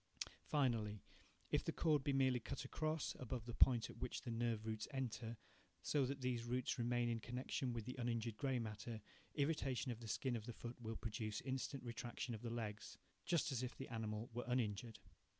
Finally, if the cord be merely cut across, above the point at which the nerve roots enter, so that these roots remain in connection with the uninjured grey matter, irritation of the skin of the foot will produce instant retraction of the legs, just as if the animal were uninjured.